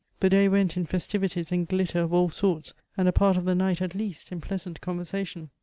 The day went in festivities and glitter of all sorts; and a part of the night at least in pleasant conversation."